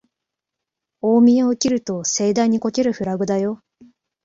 大見得を切ると盛大にこけるフラグだよ